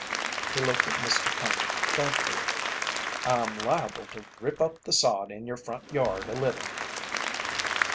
He looked at Mr. Cone doubtfully: "I'm liable to rip up the sod in your front yard a little."